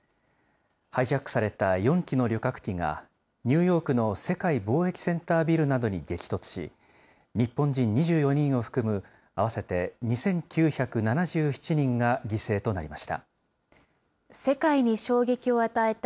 ハイジャックされた４機の旅客機がニューヨークの世界貿易センタービルなどに激突し、日本人２４人を含む合わせて２９７７人が犠牲となりました。